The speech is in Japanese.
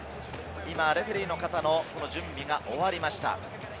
レフェリーの方の準備が終わりました。